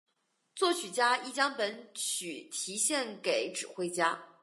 作曲家亦将本曲题献给指挥家。